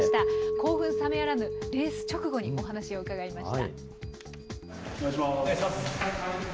興奮冷めやらぬレース直後にお話を伺いました。